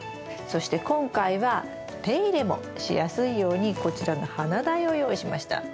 そして今回は手入れもしやすいようにこちらの花台を用意しました。